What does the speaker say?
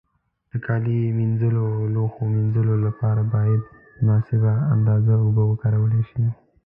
د کالي مینځلو او لوښو مینځلو له پاره باید مناسبه اندازه اوبو وکارول شي.